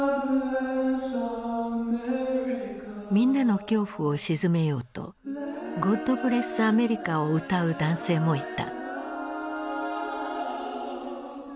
みんなの恐怖を鎮めようと「ゴッド・ブレス・アメリカ」を歌う男性もいた。